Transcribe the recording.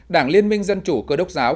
đảng liên minh dân chủ cơ đốc giáo